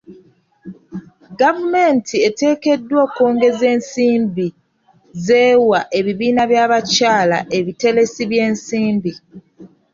Gavumenti eteekeddwa okwongeza ensimbi z'ewa ebibiina by'abakyala ebiteresi by'ensimbi.